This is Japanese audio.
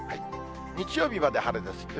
日曜日まで晴れです。